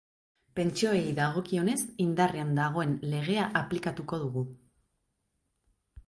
Pentsioei dagokionez, indarrean dagoen legea aplikatuko dugu.